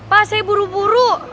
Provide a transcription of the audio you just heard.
pak saya buru buru